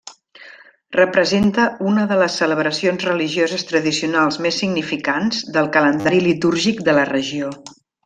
Representa una de les celebracions religioses tradicionals més significants del calendari litúrgic de la regió.